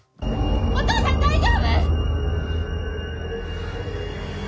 お父さん大丈夫！？